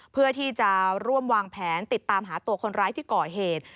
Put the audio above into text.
เพื่อที่จะร่วมวางแผนติดตามหาตัวคนร้ายที่ก่อเหตุ